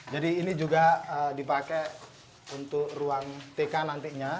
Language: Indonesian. jadi ini juga dipakai untuk ruang tk nantinya